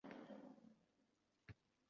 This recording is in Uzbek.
Oʻzim kulsam ham qalbim yigʻlardi